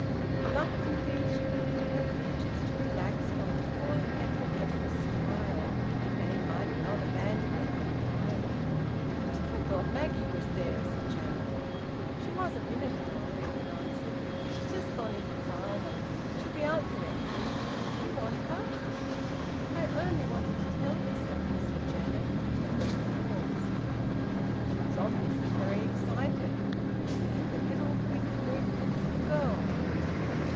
Reluctantly she permitted her features to relax from the full effort of the smile; but they might not abandon it entirely. "I thought Maggie was there," said Janet. "She was, a minute ago," Edwin answered. "She's just gone in to father. She'll be out directly. Do you want her?" "I only wanted to tell her something," said Janet, and then paused. She was obviously very excited. She had the little quick movements of a girl.